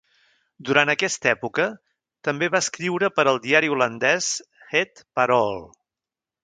Durant aquesta època, també va escriure per al diari holandès "Het Parool".